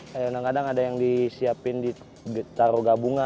kadang kadang ada yang disiapkan taruh gabungan